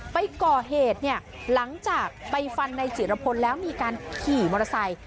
ไปก่อเหตุเนี่ยหลังจากไปฟันในจิรพลแล้วมีการขี่มอเตอร์ไซค์